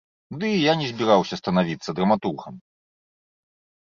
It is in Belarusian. Ды і я не збіраўся станавіцца драматургам.